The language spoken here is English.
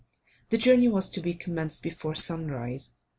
The journey was to be commenced before sunrise.